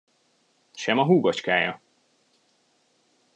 Sem a húgocskája!